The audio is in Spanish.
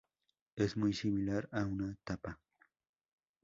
Es muy similar a una "tapa".